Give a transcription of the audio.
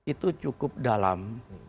itu cukup dalam